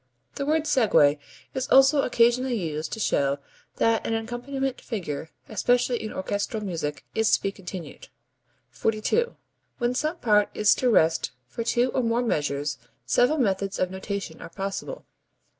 The word segue is also occasionally used to show that an accompaniment figure (especially in orchestral music) is to be continued. 42. When some part is to rest for two or more measures several methods of notation are possible.